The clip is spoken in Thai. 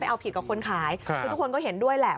เอาผิดกับคนขายคือทุกคนก็เห็นด้วยแหละ